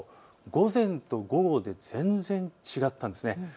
午前と午後で全然違ったんです。